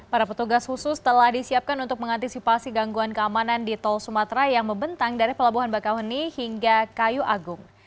para petugas khusus telah disiapkan untuk mengantisipasi gangguan keamanan di tol sumatera yang membentang dari pelabuhan bakauheni hingga kayu agung